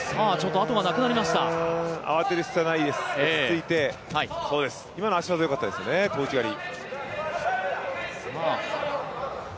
慌てる必要はないです、落ち着いて今の足技よかったですね、小内刈り